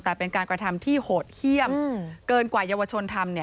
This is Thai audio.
แต่เป็นการกระทำที่โหดเยี่ยมเกินกว่าเยาวชนทำ